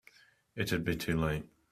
It'd be too late.